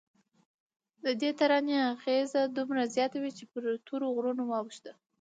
ددې ترانې اغېز دومره زیات و چې پر تورو غرونو واوښته.